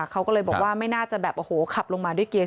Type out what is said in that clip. เขาก็เลยบอกว่าไม่น่าจะแบบโอ้โหขับลงมาด้วยเกียร์